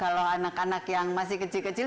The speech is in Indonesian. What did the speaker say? kalau anak anak yang masih kecil kecil